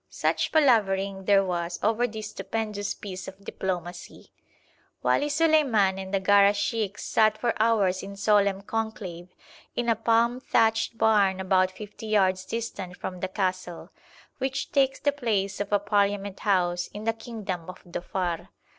Such palavering there was over this stupendous piece of diplomacy! Wali Suleiman and the Gara sheikhs sat for hours in solemn conclave in a palm thatched barn about fifty yards distant from the castle, which takes the place of a parliament house in the kingdom of Dhofar.